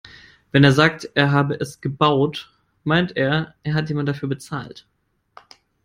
Wenn er sagt, er habe es gebaut, meint er, er hat jemanden dafür bezahlt.